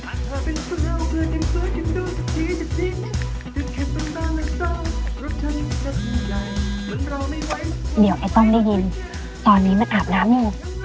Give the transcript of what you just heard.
เดี๋ยวไอ้ต้อมได้ยินตอนนี้มันอาบน้ำอยู่